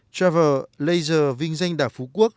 trevor laser vinh danh đảo phú quốc